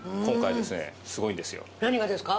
何がですか？